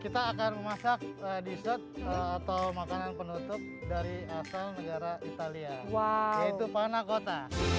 kita akan memasak di set atau makanan penutup dari asal negara italia wow itu panah kota